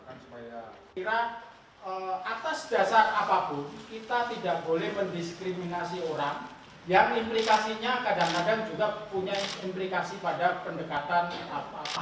kira atas dasar apapun kita tidak boleh mendiskriminasi orang yang implikasinya kadang kadang juga punya implikasi pada pendekatan apapun